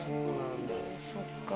そっか。